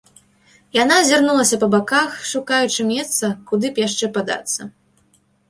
Яна азірнулася па баках, шукаючы месца, куды б яшчэ падацца.